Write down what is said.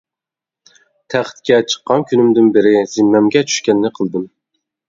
تەختكە چىققان كۈنۈمدىن بېرى زىممەمگە چۈشكەننى قىلدىم.